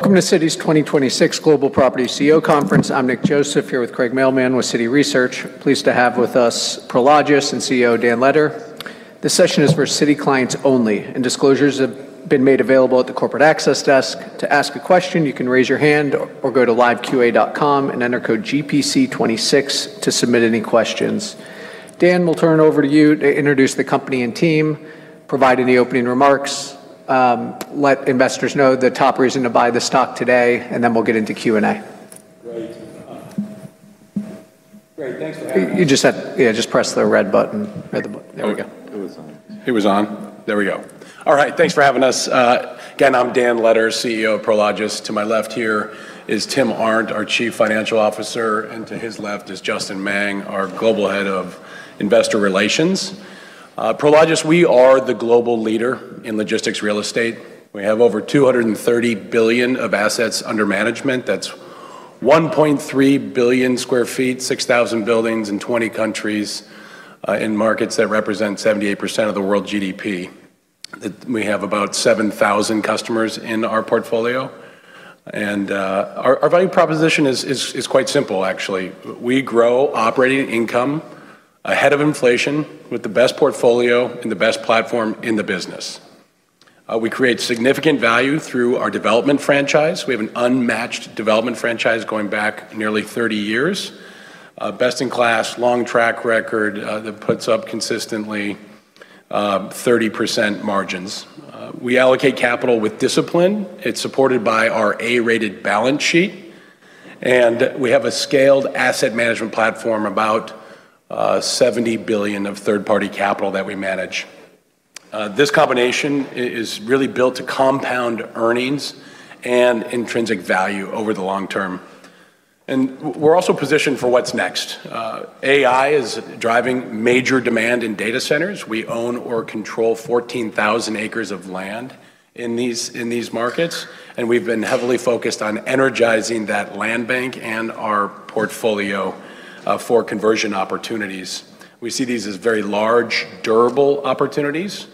Welcome to Citi's 2026 Global Property CEO Conference. I'm Nick Joseph, here with Craig Mailman with Citi Research. Pleased to have with us Prologis and CEO Dan Letter. This session is for Citi clients only, and disclosures have been made available at the corporate access desk. To ask a question, you can raise your hand or go to liveqa.com and enter code GPC26 to submit any questions. Dan, we'll turn over to you to introduce the company and team, provide any opening remarks, let investors know the top reason to buy the stock today, and then we'll get into Q&A. Great. great. Thanks for having me. Yeah, just press the red button. There we go. It was on. It was on? There we go. All right. Thanks for having us. Again, I'm Dan Letter, CEO of Prologis. To my left here is Tim Arndt, our chief financial officer, and to his left is Justin Mang, our global head of investor relations. Prologis, we are the global leader in logistics real estate. We have over $230 billion of assets under management. That's 1.3 billion sq ft, 6,000 buildings in 20 countries, in markets that represent 78% of the world GDP. We have about 7,000 customers in our portfolio. Our value proposition is quite simple actually. We grow operating income ahead of inflation with the best portfolio and the best platform in the business. We create significant value through our development franchise. We have an unmatched development franchise going back nearly 30 years. Best in class, long track record, that puts up consistently, 30% margins. We allocate capital with discipline. It's supported by our A-rated balance sheet. We have a scaled asset management platform, about $70 billion of third-party capital that we manage. This combination is really built to compound earnings and intrinsic value over the long term. We're also positioned for what's next. AI is driving major demand in data centers. We own or control 14,000 acres of land in these markets, and we've been heavily focused on energizing that land bank and our portfolio for conversion opportunities. We see these as very large, durable opportunities.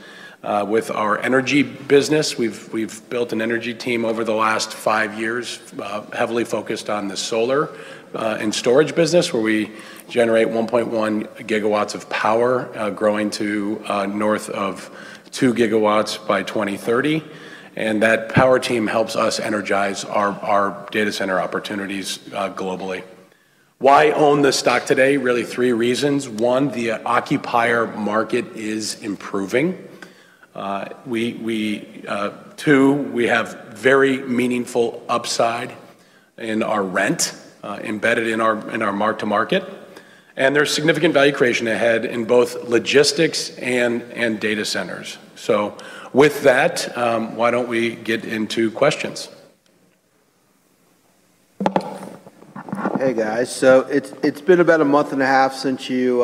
With our energy business, we've built an energy team over the last five years, heavily focused on the solar and storage business, where we generate 1.1 gigawatts of power, growing to north of two gigawatts by 2030. That power team helps us energize our data center opportunities globally. Why own the stock today? Really three reasons. One, the occupier market is improving. Two, we have very meaningful upside in our rent embedded in our mark-to-market. There's significant value creation ahead in both logistics and data centers. With that, why don't we get into questions? Hey, guys. It's been about a month and a half since you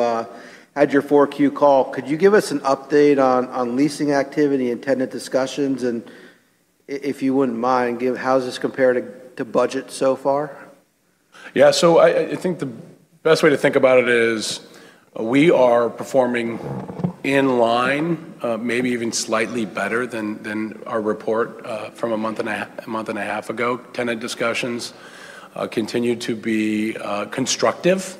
had your Q4 call. Could you give us an update on leasing activity and tenant discussions? If you wouldn't mind, give how does this compare to budget so far? Yeah. I think the best way to think about it is we are performing in line, maybe even slightly better than our report, from a month and a half ago. Tenant discussions continue to be constructive.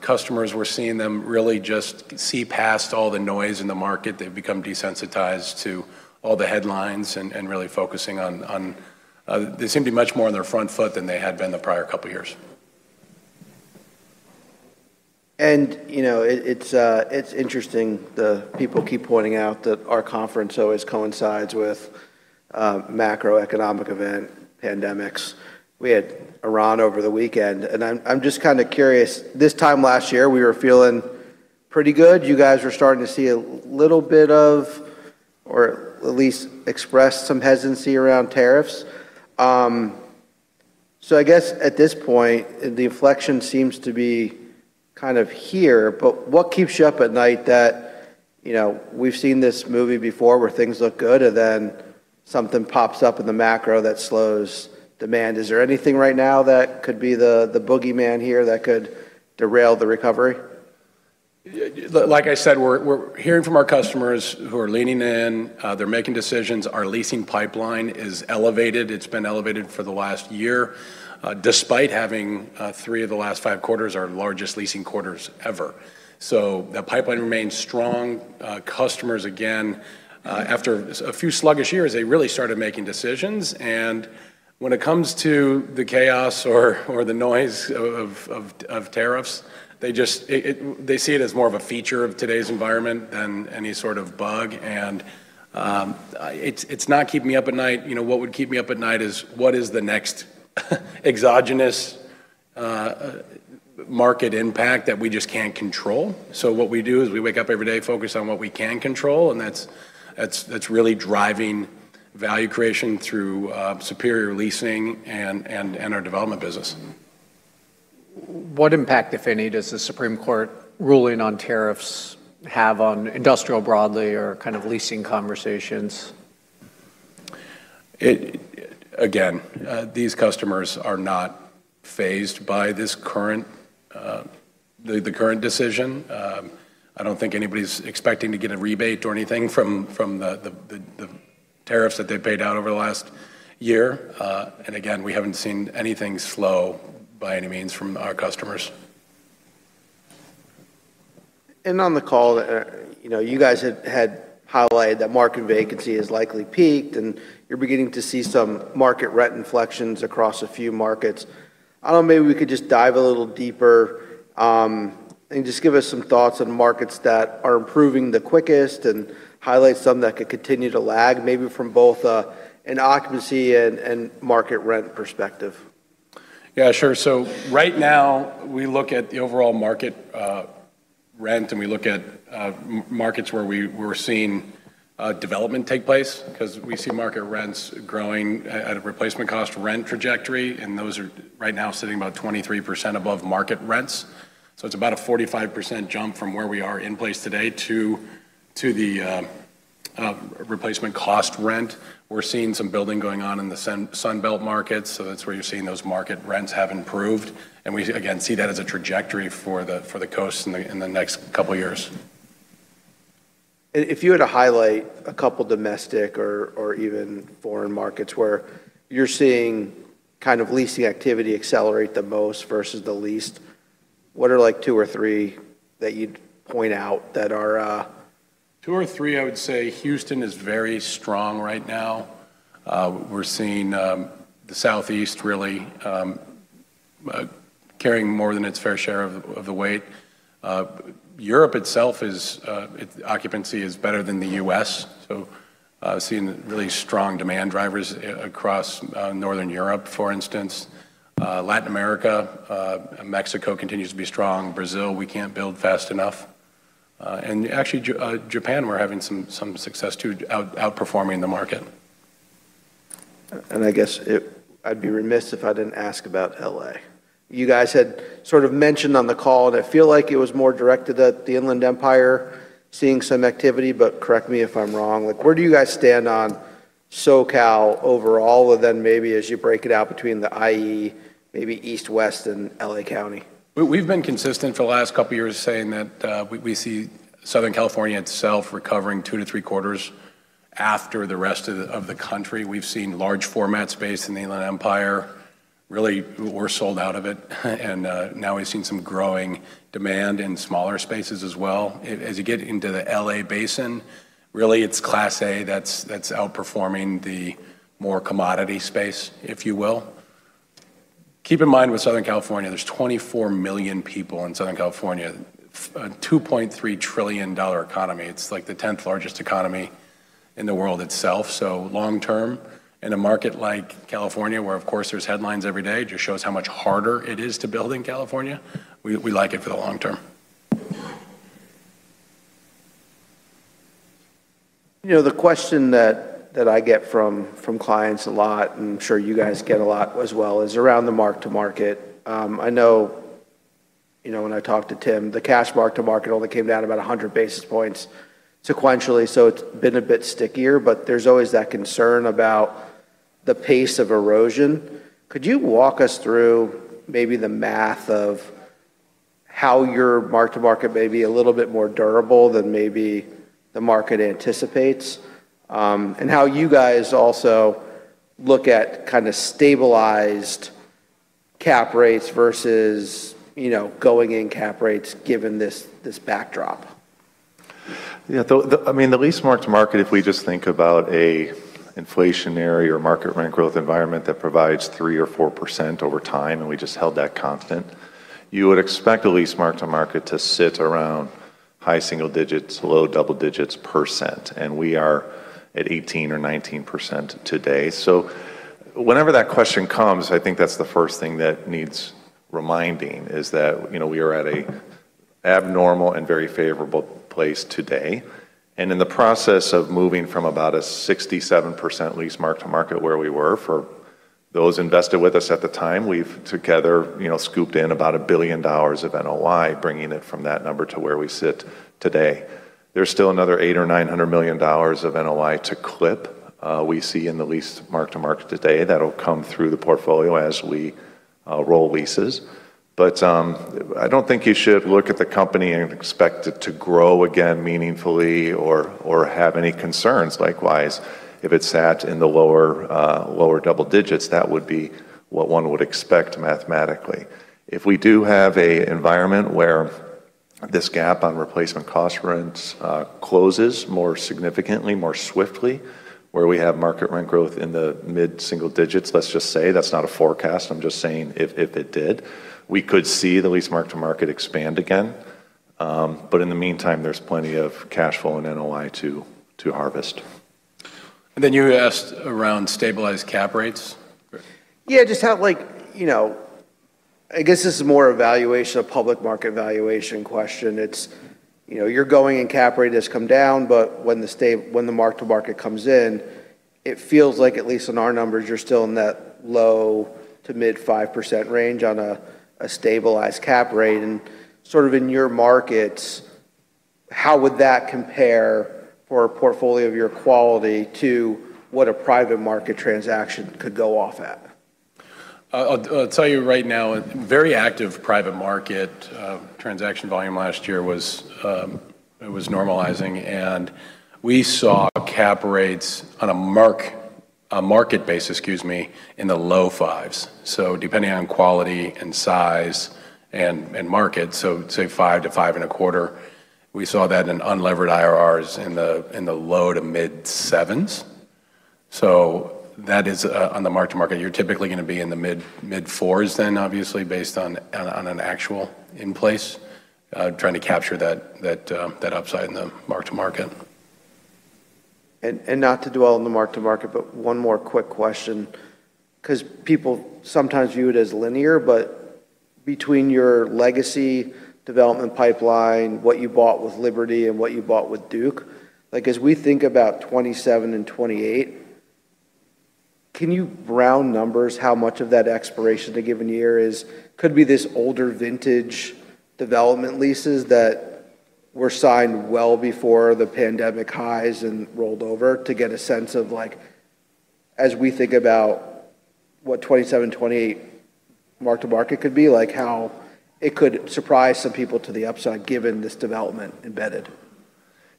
Customers, we're seeing them really just see past all the noise in the market. They've become desensitized to all the headlines and really focusing on, they seem to be much more on their front foot than they had been the prior couple years. You know, it's, it's interesting the people keep pointing out that our conference always coincides with macroeconomic event pandemics. We had Iran over the weekend, I'm just kinda curious. This time last year, we were feeling pretty good. You guys were starting to see a little bit of or at least express some hesitancy around tariffs. I guess at this point, the inflection seems to be kind of here. What keeps you up at night that, you know, we've seen this movie before where things look good, and then something pops up in the macro that slows demand? Is there anything right now that could be the boogeyman here that could derail the recovery? Like I said, we're hearing from our customers who are leaning in. They're making decisions. Our leasing pipeline is elevated. It's been elevated for the last year, despite having three of the last five quarters our largest leasing quarters ever. The pipeline remains strong. Customers, again, after a few sluggish years, they really started making decisions. When it comes to the chaos or the noise of tariffs, they just. They see it as more of a feature of today's environment than any sort of bug. It's not keeping me up at night. You know, what would keep me up at night is what is the next exogenous market impact that we just can't control. What we do is we wake up every day focused on what we can control, and that's really driving value creation through superior leasing and our development business. What impact, if any, does the Supreme Court ruling on tariffs have on industrial broadly or kind of leasing conversations? Again, these customers are not phased by this current decision. I don't think anybody's expecting to get a rebate or anything from the tariffs that they paid out over the last year. Again, we haven't seen anything slow by any means from our customers. On the call, you know, you guys had highlighted that market vacancy has likely peaked, and you're beginning to see some market rent inflections across a few markets. I don't know, maybe we could just dive a little deeper, and just give us some thoughts on markets that are improving the quickest and highlight some that could continue to lag, maybe from both an occupancy and market rent perspective. Yeah, sure. Right now we look at the overall market rent, and we look at markets where we're seeing development take place because we see market rents growing at a replacement cost rent trajectory. Those are right now sitting about 23% above market rents. It's about a 45% jump from where we are in place today to the replacement cost rent. We're seeing some building going on in the Sun Belt markets, so that's where you're seeing those market rents have improved. We again see that as a trajectory for the coast in the next couple years. If you were to highlight a couple domestic or even foreign markets where you're seeing kind of leasing activity accelerate the most versus the least, what are like two or three that you'd point out that are? Two or three, I would say Houston is very strong right now. We're seeing, the Southeast really, carrying more than its fair share of the weight. Europe itself is, its occupancy is better than the U.S., so, seeing really strong demand drivers across, Northern Europe, for instance. Latin America, Mexico continues to be strong. Brazil, we can't build fast enough. Japan, we're having some success too, outperforming the market. I guess I'd be remiss if I didn't ask about L.A., you guys had sort of mentioned on the call, and I feel like it was more directed at the Inland Empire seeing some activity, but correct me if I'm wrong. Like, where do you guys stand on SoCal overall, and then maybe as you break it out between the I.E., maybe East, West, and L.A. County? We've been consistent for the last couple years saying that we see Southern California itself recovering two to three quarters after the rest of the country. We've seen large format space in the Inland Empire. Really, we're sold out of it. Now we've seen some growing demand in smaller spaces as well. As you get into the L.A. Basin, really it's Class A that's outperforming the more commodity space, if you will. Keep in mind with Southern California, there's 24 million people in Southern California, a $2.3 trillion economy. It's like the tenth-largest economy in the world itself. Long term, in a market like California, where of course there's headlines every day, it just shows how much harder it is to build in California, we like it for the long term. You know, the question that I get from clients a lot, and I'm sure you guys get a lot as well, is around the mark-to-market. I know, you know, when I talked to Tim, the cash mark-to-market only came down about 100 basis points sequentially, so it's been a bit stickier, but there's always that concern about the pace of erosion. Could you walk us through maybe the math of how your mark-to-market may be a little bit more durable than maybe the market anticipates, and how you guys also look at kind of stabilized cap rates versus, you know, going-in cap rates given this backdrop? Yeah. I mean, the lease mark-to-market, if we just think about a inflationary or market rent growth environment that provides 3% or 4% over time, and we just held that constant, you would expect a lease mark-to-market to sit around high single digits, low double digits percent, and we are at 18% or 19% today. Whenever that question comes, I think that's the first thing that needs reminding, is that, you know, we are at a abnormal and very favorable place today. In the process of moving from about a 67% lease mark-to-market where we were, for those invested with us at the time, we've together, you know, scooped in about $1 billion of NOI, bringing it from that number to where we sit today. There's still another $800 million or $900 million of NOI to clip, we see in the lease mark-to-market today that'll come through the portfolio as we roll leases. I don't think you should look at the company and expect it to grow again meaningfully or have any concerns. Likewise, if it sat in the lower double digits, that would be what one would expect mathematically. If we do have an environment where this gap on replacement cost rents closes more significantly, more swiftly, where we have market rent growth in the mid-single digits, let's just say, that's not a forecast, I'm just saying if it did, we could see the lease mark-to-market expand again. In the meantime, there's plenty of cash flow and NOI to harvest. you asked around stabilized cap rates? Yeah. Just how, like, you know, I guess this is more a valuation, a public market valuation question. It's, you know, your going-in cap rate has come down, but when the mark-to-market comes in, it feels like, at least in our numbers, you're still in that low to mid 5% range on a stabilized cap rate. Sort of in your markets. How would that compare for a portfolio of your quality to what a private market transaction could go off at? I'll tell you right now, very active private market transaction volume last year was, it was normalizing, and we saw cap rates on a market base, excuse me, in the low 5s. Depending on quality and size and market, so say 5%-5.25%, we saw that in unlevered IRRs in the low-to-mid 7s. That is on the mark-to-market. You're typically gonna be in the mid 4s then, obviously, based on an actual in place, trying to capture that upside in the mark-to-market. Not to dwell on the mark-to-market, one more quick question, because people sometimes view it as linear, between your legacy development pipeline, what you bought with Liberty and what you bought with Duke, like, as we think about 2027 and 2028, can you round numbers how much of that expiration a given year could be this older vintage development leases that were signed well before the pandemic highs and rolled over to get a sense of, like, as we think about what 2027, 2028 mark-to-market could be, like, how it could surprise some people to the upside given this development embedded?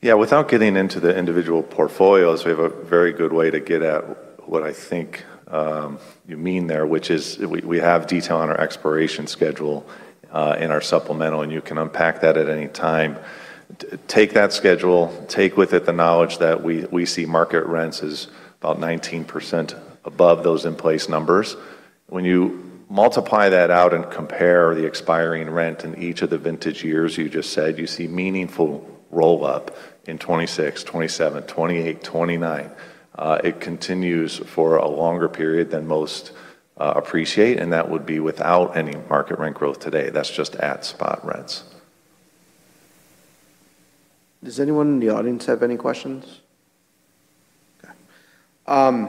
Without getting into the individual portfolios, we have a very good way to get at what I think you mean there, which is we have detail on our expiration schedule in our supplemental, and you can unpack that at any time. Take that schedule, take with it the knowledge that we see market rents is about 19% above those in-place numbers. When you multiply that out and compare the expiring rent in each of the vintage years you just said, you see meaningful roll-up in 2026, 2027, 2028, 2029. It continues for a longer period than most appreciate, and that would be without any market rent growth today. That's just at spot rents. Does anyone in the audience have any questions? Okay.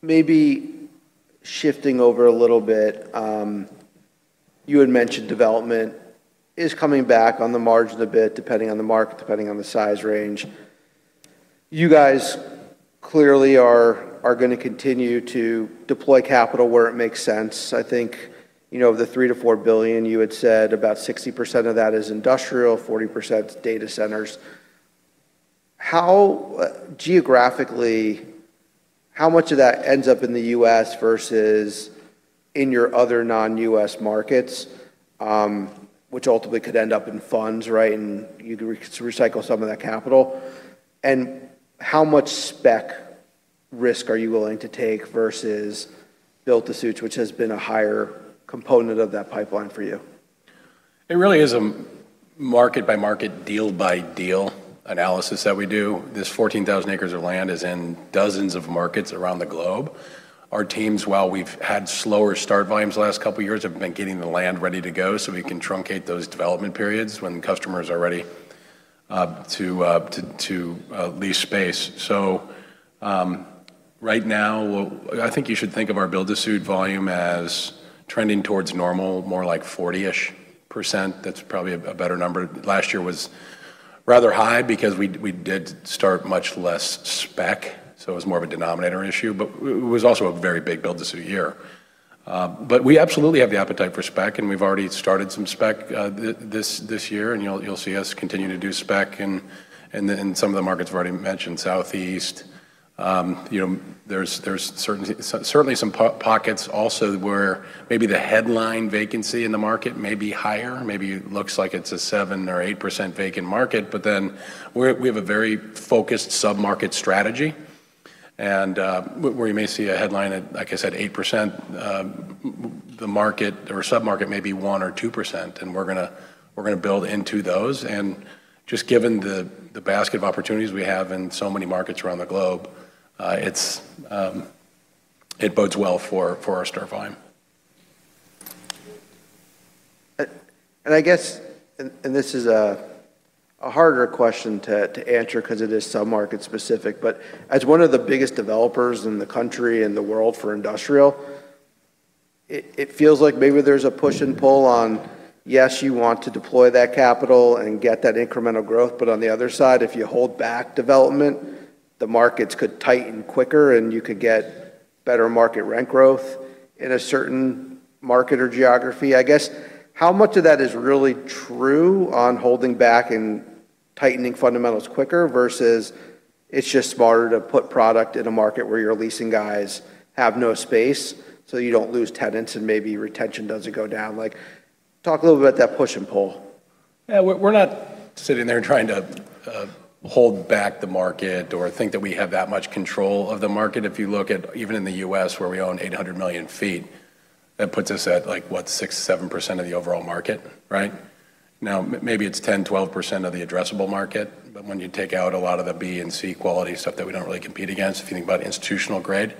Maybe shifting over a little bit, you had mentioned development is coming back on the margin a bit depending on the market, depending on the size range. You guys clearly are gonna continue to deploy capital where it makes sense. I think, you know, the $3 billion-$4 billion you had said, about 60% of that is industrial, 40%'s data centers. How, geographically, how much of that ends up in the U.S. versus in your other non-U.S. markets, which ultimately could end up in funds, right, and you could recycle some of that capital? How much spec risk are you willing to take versus Build-to-Suits, which has been a higher component of that pipeline for you? It really is a market-by-market, deal-by-deal analysis that we do. This 14,000 acres of land is in dozens of markets around the globe. Our teams, while we've had slower start volumes the last couple years, have been getting the land ready to go so we can truncate those development periods when customers are ready to lease space. Right now, I think you should think of our Build-to-Suit volume as trending towards normal, more like 40%-ish. That's probably a better number. Last year was rather high because we did start much less Spec, so it was more of a denominator issue, but it was also a very big Build-to-Suit year. We absolutely have the appetite for Spec, and we've already started some Spec this year, and you'll see us continue to do Spec in some of the markets we've already mentioned. Southeast, you know, there's certainly some pockets also where maybe the headline vacancy in the market may be higher. Maybe it looks like it's a 7% or 8% vacant market, but then we have a very focused submarket strategy and where you may see a headline at, like I said, 8%, the market or submarket may be 1% or 2%, and we're gonna build into those. Just given the basket of opportunities we have in so many markets around the globe, it's, it bodes well for our start volume. I guess, this is a harder question to answer because it is submarket specific, but as one of the biggest developers in the country and the world for industrial, it feels like maybe there's a push and pull on, yes, you want to deploy that capital and get that incremental growth, but on the other side, if you hold back development, the markets could tighten quicker, and you could get better market rent growth in a certain market or geography. I guess, how much of that is really true on holding back and tightening fundamentals quicker versus it's just smarter to put product in a market where your leasing guys have no space, so you don't lose tenants, and maybe retention doesn't go down? Like, talk a little bit about that push and pull. Yeah. We're not sitting there trying to hold back the market or think that we have that much control of the market. If you look at even in the U.S. where we own 800 million feet, that puts us at, like, what? 6%-7% of the overall market, right? maybe it's 10%-12% of the addressable market, but when you take out a lot of the B and C quality stuff that we don't really compete against, if you think about institutional grade.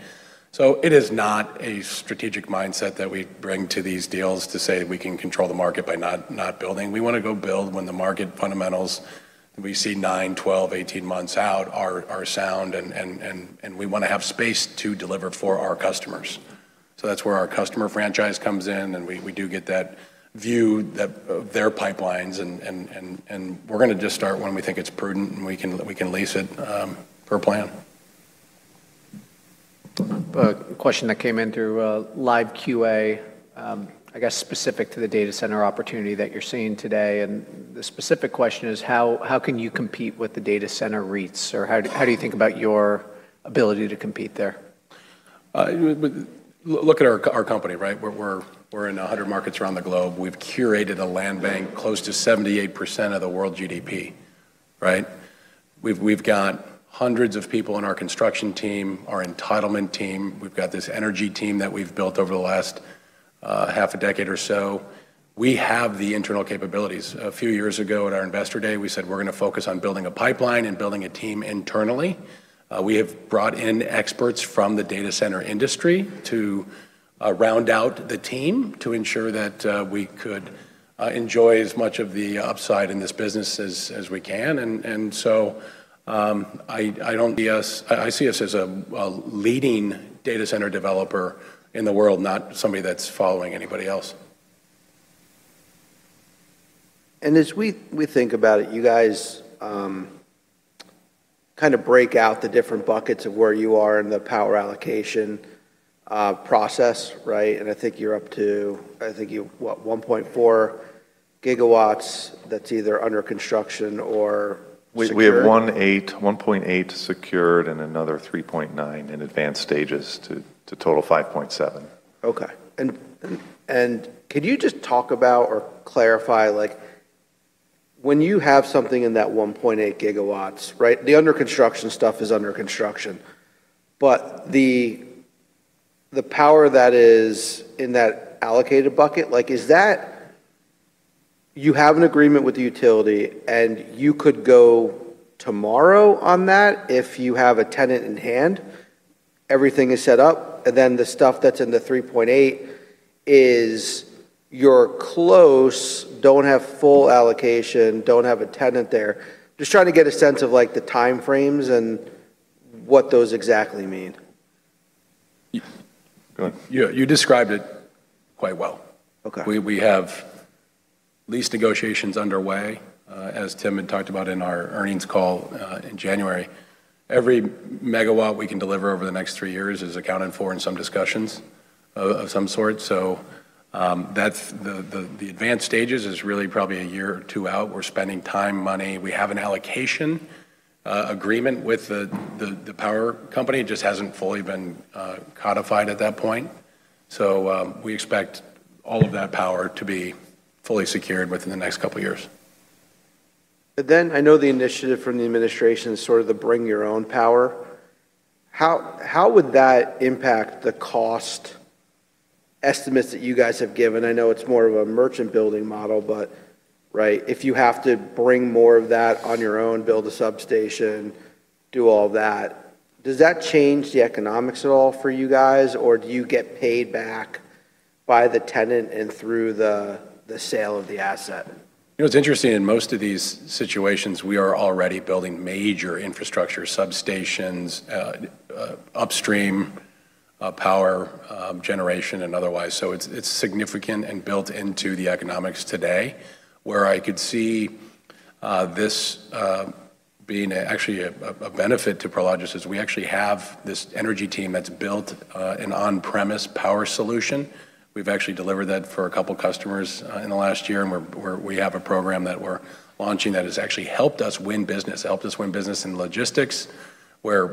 It is not a strategic mindset that we bring to these deals to say we can control the market by not building. We wanna go build when the market fundamentals we see nine, 12, 18 months out are sound, and we wanna have space to deliver for our customers. That's where our customer franchise comes in, and we do get that view of their pipelines and we're gonna just start when we think it's prudent, and we can lease it per plan. A question that came in through live QA, I guess specific to the data center opportunity that you're seeing today, the specific question is: How can you compete with the data center REITs, or how do you think about your ability to compete there? Look at our company, right? We're in 100 markets around the globe. We've curated a land bank close to 78% of the world GDP, right? We've got hundreds of people in our construction team, our entitlement team. We've got this energy team that we've built over the last half a decade or so. We have the internal capabilities. A few years ago at our investor day, we said we're gonna focus on building a pipeline and building a team internally. We have brought in experts from the data center industry to round out the team to ensure that we could enjoy as much of the upside in this business as we can. I see us as a leading data center developer in the world, not somebody that's following anybody else. As we think about it, you guys, kind of break out the different buckets of where you are in the power allocation, process, right? I think you're up to, what? 1.4 gigawatts that's either under construction or secured. We have 1.8 secured and another 3.9 in advanced stages to total 5.7. Okay. Could you just talk about or clarify, like, when you have something in that 1.8 gigawatts, right? The under construction stuff is under construction, but the power that is in that allocated bucket, like, is that you have an agreement with the utility, and you could go tomorrow on that if you have a tenant in hand, everything is set up, and then the stuff that's in the 3.8 is you're close, don't have full allocation, don't have a tenant there. Just trying to get a sense of, like, the time frames and what those exactly mean. Go on. You described it quite well. Okay. We have lease negotiations underway. As Tim had talked about in our earnings call, in January, every megawatt we can deliver over the next three years is accounted for in some discussions of some sort. That's the advanced stages is really probably a year or 2 out. We're spending time, money. We have an allocation agreement with the power company. It just hasn't fully been codified at that point. We expect all of that power to be fully secured within the next couple years. I know the initiative from the administration is sort of the bring your own power. How would that impact the cost estimates that you guys have given? I know it's more of a merchant building model, but, right, if you have to bring more of that on your own, build a substation, do all that, does that change the economics at all for you guys, or do you get paid back by the tenant and through the sale of the asset? You know, it's interesting. In most of these situations, we are already building major infrastructure substations, upstream, power, generation and otherwise. It's, it's significant and built into the economics today. Where I could see this being actually a benefit to Prologis is we actually have this energy team that's built an on-premise power solution. We've actually delivered that for a couple customers in the last year, and we have a program that we're launching that has actually helped us win business. It helped us win business in logistics, where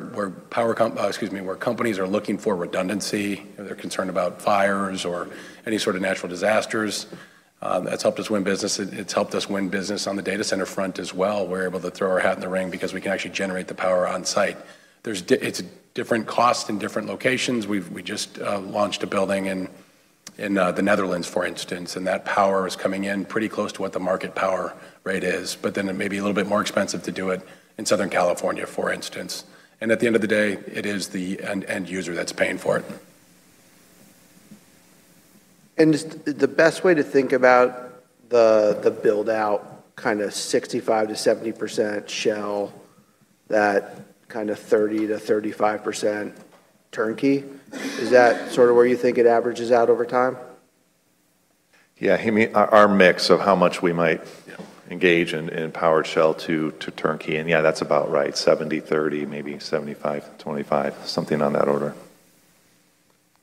companies are looking for redundancy, or they're concerned about fires or any sort of natural disasters. That's helped us win business. It's helped us win business on the data center front as well. We're able to throw our hat in the ring because we can actually generate the power on site. It's different costs in different locations. We just launched a building in the Netherlands, for instance, and that power is coming in pretty close to what the market power rate is. It may be a little bit more expensive to do it in Southern California, for instance. At the end of the day, it is the end user that's paying for it. Just the best way to think about the build-out, kind of 65%-70% shell, that kind of 30%-35% turnkey, is that sort of where you think it averages out over time? Yeah. You mean our mix of how much we might, you know, engage in Powered Shell to Turnkey. Yeah, that's about right. 70, 30, maybe 75, 25, something on that order.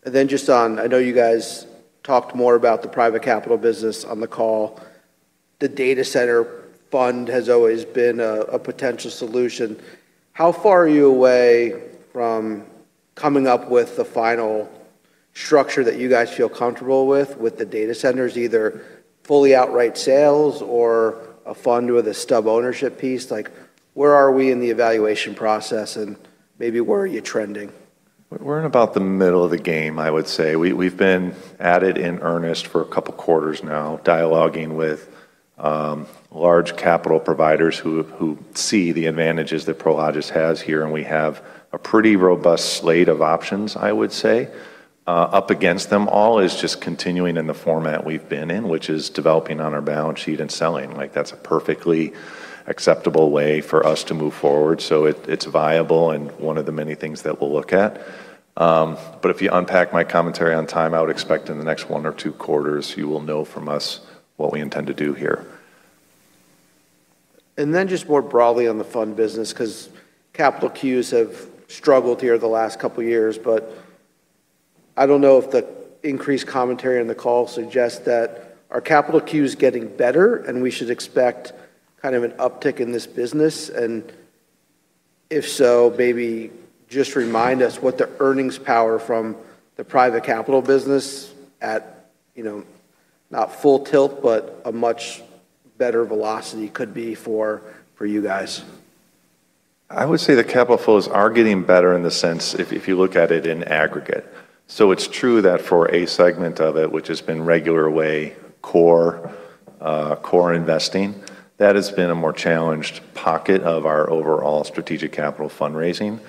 Just on-- I know you guys talked more about the private capital business on the call. The data center fund has always been a potential solution. How far are you away from coming up with the final structure that you guys feel comfortable with the data centers, either fully outright sales or a fund with a stub ownership piece? Like, where are we in the evaluation process, and maybe where are you trending? We're in about the middle of the game, I would say. We've been at it in earnest for a couple quarters now, dialoguing with large capital providers who see the advantages that Prologis has here, and we have a pretty robust slate of options, I would say. Up against them all is just continuing in the format we've been in, which is developing on our balance sheet and selling. Like, that's a perfectly acceptable way for us to move forward. It's viable and one of the many things that we'll look at. If you unpack my commentary on time, I would expect in the next one or two quarters, you will know from us what we intend to do here. Just more broadly on the fund business, 'cause capital Qs have struggled here the last couple years. I don't know if the increased commentary on the call suggests that our capital Q is getting better and we should expect kind of an uptick in this business. If so, maybe just remind us what the earnings power from the private capital business at, you know, not full tilt, but a much better velocity could be for you guys. I would say the capital flows are getting better in the sense if you look at it in aggregate. It's true that for a segment of it, which has been regular way core investing, that has been a more challenged pocket of our overall strategic capital fundraising.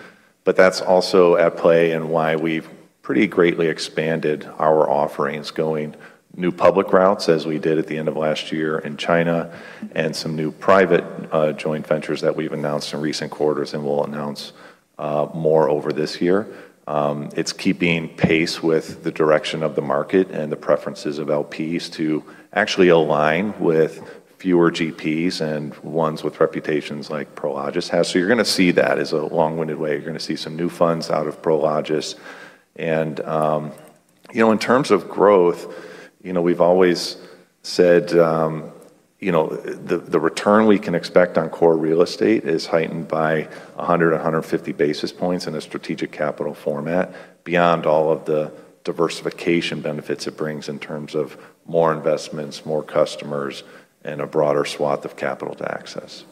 That's also at play in why we've pretty greatly expanded our offerings going new public routes as we did at the end of last year in China and some new private joint ventures that we've announced in recent quarters and we'll announce more over this year. It's keeping pace with the direction of the market and the preferences of LPs to actually align with fewer GPs and ones with reputations like Prologis has. You're gonna see that as a long-winded way. You're gonna see some new funds out of Prologis. You know, in terms of growth, you know, we've always said, you know, the return we can expect on core real estate is heightened by 100 to 150 basis points in a strategic capital format beyond all of the diversification benefits it brings in terms of more investments, more customers, and a broader swath of capital to access.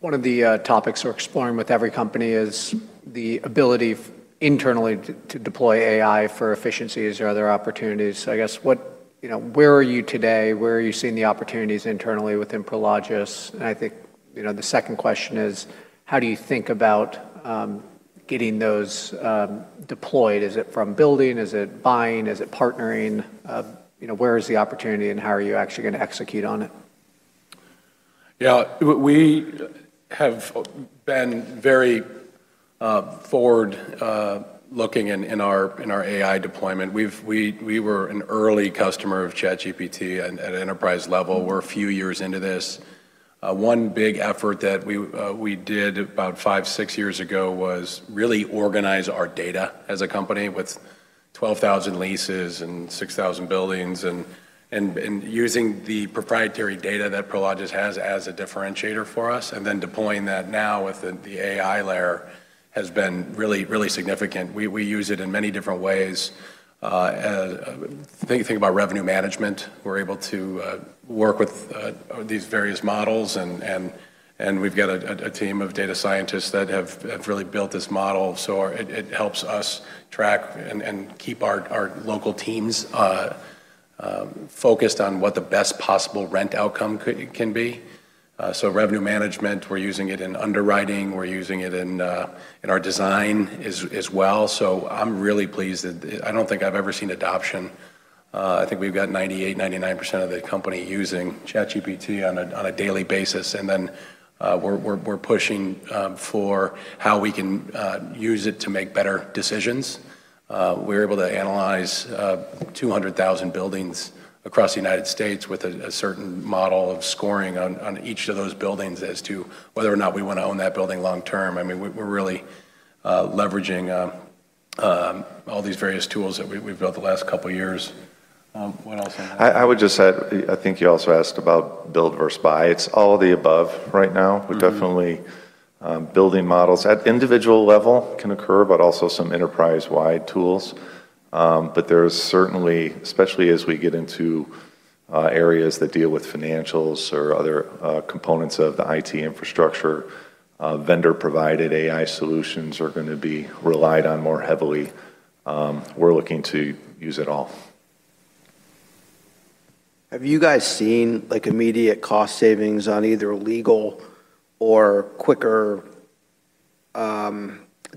One of the topics we're exploring with every company is the ability internally to deploy AI for efficiencies or other opportunities. I guess, you know, where are you today? Where are you seeing the opportunities internally within Prologis? I think, you know, the second question is: how do you think about getting those deployed? Is it from building? Is it buying? Is it partnering? You know, where is the opportunity, and how are you actually gonna execute on it? We have been very forward looking in our AI deployment. We were an early customer of ChatGPT at enterprise level. We're a few years into this. One big effort that we did about five, six years ago was really organize our data as a company with 12,000 leases and 6,000 buildings and using the proprietary data that Prologis has as a differentiator for us, and then deploying that now with the AI layer has been really significant. We use it in many different ways. If you think about revenue management, we're able to work with these various models and we've got a team of data scientists that have really built this model, so it helps us track and keep our local teams focused on what the best possible rent outcome can be. Revenue management, we're using it in underwriting, we're using it in our design as well. I'm really pleased I don't think I've ever seen adoption. I think we've got 98%, 99% of the company using ChatGPT on a daily basis. We're pushing for how we can use it to make better decisions. We're able to analyze 200,000 buildings across the United States with a certain model of scoring on each of those buildings as to whether or not we wanna own that building long term. I mean, we're really leveraging all these various tools that we've built the last couple years. What else? I would just add, I think you also asked about build versus buy. It's all of the above right now. Mm-hmm. We're definitely building models. At individual level can occur, but also some enterprise-wide tools. There's certainly, especially as we get into areas that deal with financials or other components of the IT infrastructure, vendor-provided AI solutions are gonna be relied on more heavily. We're looking to use it all. Have you guys seen, like, immediate cost savings on either legal or quicker,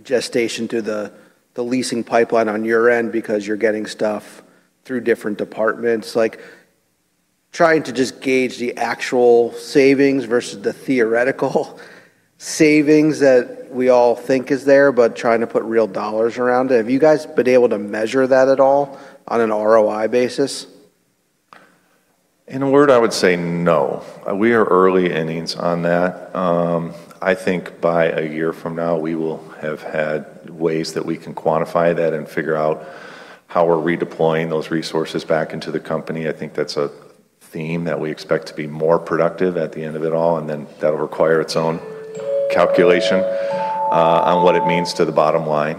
gestation to the leasing pipeline on your end because you're getting stuff through different departments? Like, trying to just gauge the actual savings versus the theoretical savings that we all think is there. Trying to put real dollars around it. Have you guys been able to measure that at all on an ROI basis? In a word, I would say no. We are early innings on that. I think by a year from now, we will have had ways that we can quantify that and figure out how we're redeploying those resources back into the company. I think that's a theme that we expect to be more productive at the end of it all. That'll require its own calculation on what it means to the bottom line.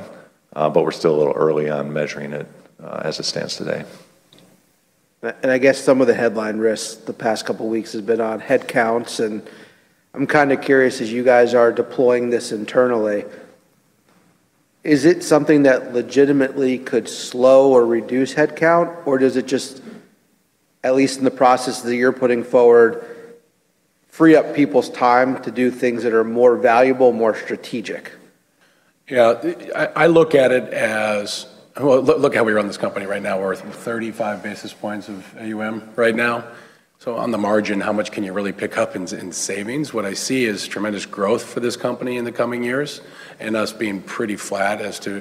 We're still a little early on measuring it as it stands today. I guess some of the headline risks the past couple weeks has been on headcounts, and I'm kinda curious as you guys are deploying this internally, is it something that legitimately could slow or reduce headcount, or does it just, at least in the process that you're putting forward, free up people's time to do things that are more valuable, more strategic? I look at it as. Look at how we run this company right now. We're 35 basis points of AUM right now. On the margin, how much can you really pick up in savings? What I see is tremendous growth for this company in the coming years and us being pretty flat as to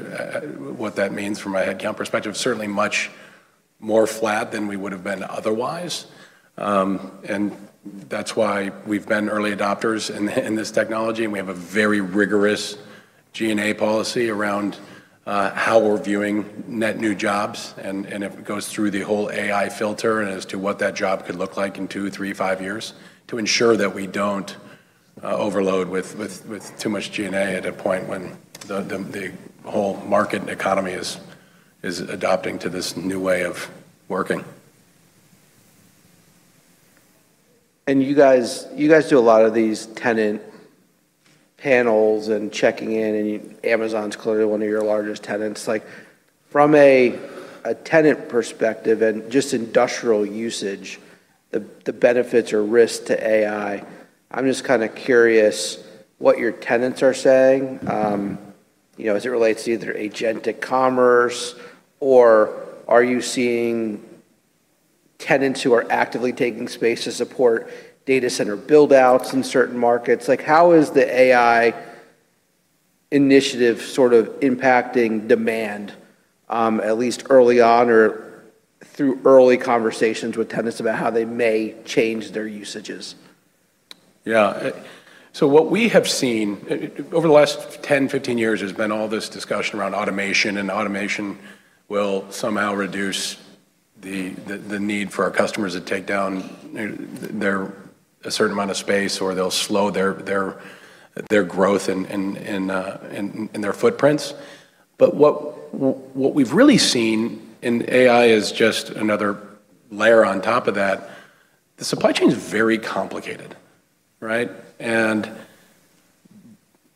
what that means from a headcount perspective. Certainly much more flat than we would have been otherwise. That's why we've been early adopters in this technology, and we have a very rigorous G&A policy around how we're viewing net new jobs. It goes through the whole AI filter and as to what that job could look like in two, three, five years to ensure that we don't overload with too much G&A at a point when the whole market and economy is adopting to this new way of working. You guys do a lot of these tenant panels and checking in, and Amazon's clearly one of your largest tenants. Like, from a tenant perspective and just industrial usage, the benefits or risks to AI, I'm just kinda curious what your tenants are saying, you know, as it relates to either agentic commerce, or are you seeing tenants who are actively taking space to support data center build-outs in certain markets? Like, how is the AI initiative sort of impacting demand, at least early on or through early conversations with tenants about how they may change their usages? What we have seen over the last 10, 15 years has been all this discussion around automation, and automation will somehow reduce the need for our customers to take down a certain amount of space, or they'll slow their growth and their footprints. What we've really seen, and AI is just another layer on top of that, the supply chain is very complicated, right?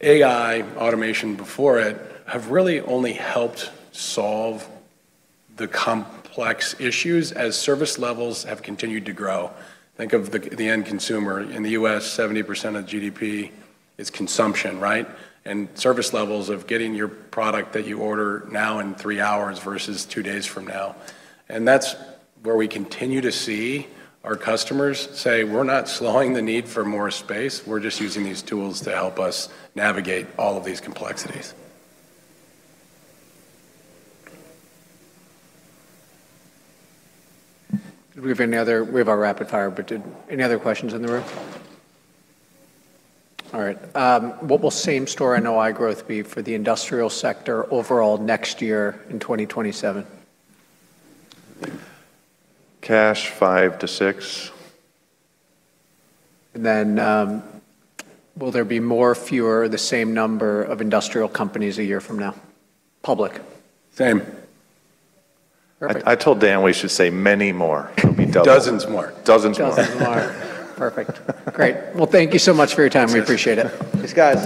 AI, automation before it, have really only helped solve the complex issues as service levels have continued to grow. Think of the end consumer. In the U.S., 70% of GDP is consumption, right? Service levels of getting your product that you order now in three hours versus two days from now. That's where we continue to see our customers say, "We're not slowing the need for more space. We're just using these tools to help us navigate all of these complexities. We have our rapid fire, but any other questions in the room? All right. What will Same-Store NOI Growth be for the industrial sector overall next year in 2027? Cash, five to six. Will there be more, fewer, the same number of industrial companies a year from now? Public. Same. Perfect. I told Dan we should say many more. It'll be double. Dozens more. Dozens more. Dozens more. Perfect. Great. Well, thank you so much for your time. We appreciate it. Thanks, guys.